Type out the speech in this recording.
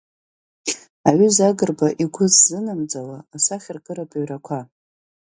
Аҩыза Агрба игәы ззынамӡауа асахьаркыратә ҩрақәа.